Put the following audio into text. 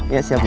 iya siap ibu